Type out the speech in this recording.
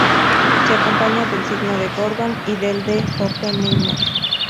Se acompaña del signo de Gordon y del de Oppenheimer.